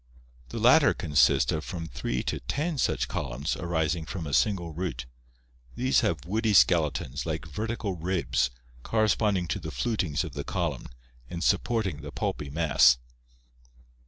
The latter consists of from three to ten such columns rising from a single root These have woody skeletons like vertical ribs corresponding to the flutings of the column and supporting the pulpy mass.